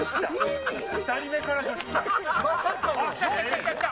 ２人目から女子きた。